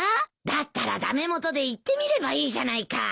だったら駄目元で言ってみればいいじゃないか。